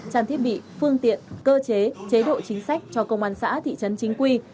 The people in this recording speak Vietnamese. trang thiết bị phương tiện cơ chế chế độ chính sách cho công an xã thị trấn chính quy